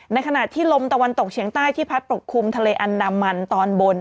ในขณะที่ลมตะวันตกเฉียงใต้ที่พัดปกคลุมทะเลอันดามันตอนบน